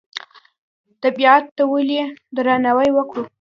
طبیعت ته ولې درناوی وکړو؟